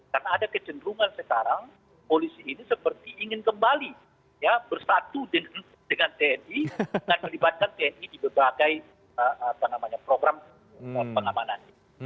karena ada kecenderungan sekarang polisi ini seperti ingin kembali ya bersatu dengan tni dan melibatkan tni dibebagai apa namanya program pengamanan